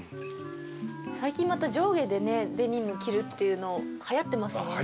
最近また上下でねデニム着るっていうのはやってますもんね。